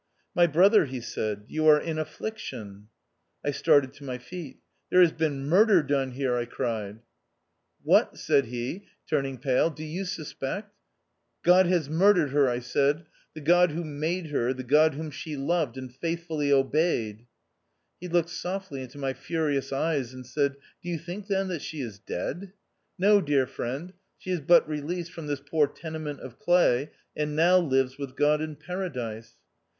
" My brother," he said, " you are in affliction." I started to my feet. " There has been murder done here," I cried. THE OUTCAST. 211 « What," said he, turning pale, " do you suspect "" God has murdered her," I said. rt The God who made her, the God whom she loved and faithfully obeyed." He looked softly into my furious eyes and said, " Do you think, then, that she is dead ? No, dear friend, she is but released from this poor tenement of clay, and now lives with God in paradise."